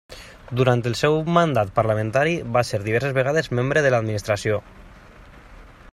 Durant el seu mandat parlamentari, va ser diverses vegades membre de l'administració.